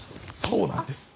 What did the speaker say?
そうなんです。